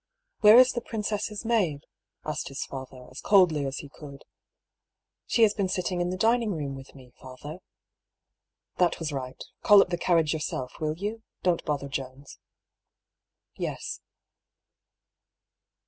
" Where is the princess' maid ?" asked his father, as coldly as he could. " She has been sitting in the dining room with me, father." " That was right Call up the carriage yourself, will you? Don't bother Jones." " Yes."